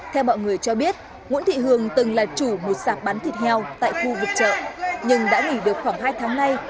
theo mọi người cho biết nguyễn thị hường từng là chủ một sạp bán thịt heo tại khu vực chợ nhưng đã nghỉ được khoảng hai tháng nay